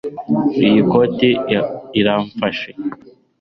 Iyi koti iramfashe